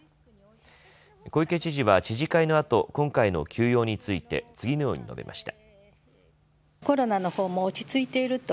小池知事は知事会のあと今回の休養について次のように述べました。